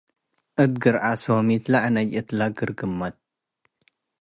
እት ግርዐ ሶሚት ለዕነጅ እትለ ግርግመት